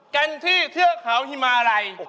เกินที่เทือเขาฮิมาไร